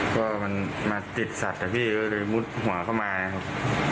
ก็มันมาติดสัตว์อะพี่ก็เลยมุดหัวเข้ามานะครับ